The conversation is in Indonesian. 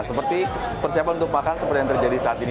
seperti persiapan untuk makan seperti yang terjadi saat ini